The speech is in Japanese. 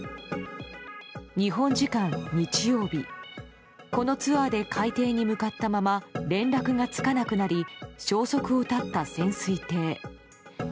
日本時間日曜日このツアーで海底に向かったまま連絡がつかなくなり消息を絶った潜水艇。